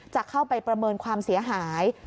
จะเข้าไปประเมินความเสียหาย